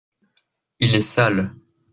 Il est sale.